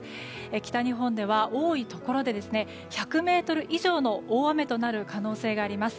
北日本では多いところで１００ミリ以上の大雨となる可能性があります。